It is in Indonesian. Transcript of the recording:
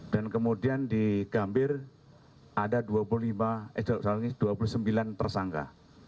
dan kemudian di gambir ada dua puluh sembilan tersangka